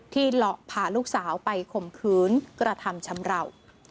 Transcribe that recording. ที่เหลาะพาลูกสาวไปข่มขืนกระทำชำเล่า